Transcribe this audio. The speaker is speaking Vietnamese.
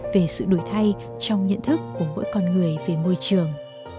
về sự đổi thay trong nhận thức của mỗi con người về môi trường